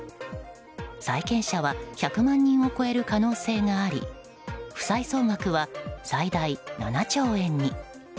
債権者は１００万人を超える可能性があり負債総額は最大７兆円に。